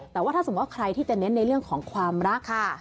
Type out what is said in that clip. แต่ว่าถ้าสมมุติว่าใครที่จะเน้นในเรื่องของความรักค่ะ